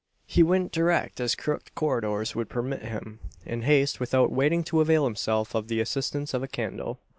He went direct as crooked corridors would permit him in haste, without waiting to avail himself of the assistance of a candle.